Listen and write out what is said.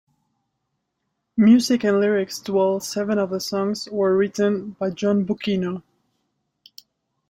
Music and lyrics to all seven of the songs were written by John Bucchino.